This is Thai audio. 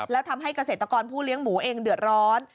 แล้วทำให้เกษตรกรผู้เลี้ยงหมูเองเดือดร้อน